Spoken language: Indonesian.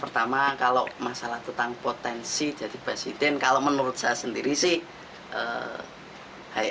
pertama kalau masalah tentang potensi jadi presiden kalau menurut saya sendiri sih hai